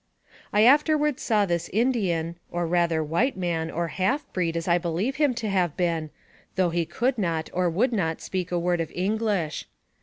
I afterward saw this Indian, or rather white man, or half breed, as I believe him to have been, though he could not, or would not speak a word of English.